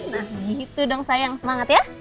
nah gitu dong sayang semangat ya